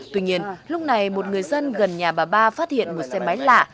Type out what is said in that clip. tuy nhiên lúc này một người dân gần nhà bà ba phát hiện một xe máy lạ